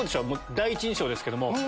第一印象ですけども。